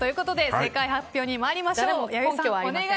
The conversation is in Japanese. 正解発表に参りましょう。